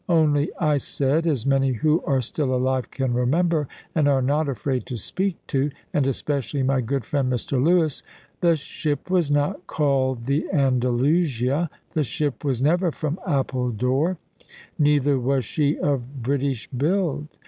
Only I said, as many who are still alive can remember, and are not afraid to speak to, and especially my good friend Mr Lewis, "The ship was not called the Andalusia; the ship was never from Appledore; neither was she of British build.